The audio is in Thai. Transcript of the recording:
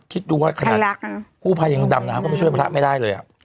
คิดดูว่าขนาดกู้ภัยยังดำน้ำเข้าไปช่วยพระไม่ได้เลย